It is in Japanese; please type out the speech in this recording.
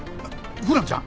フランちゃん！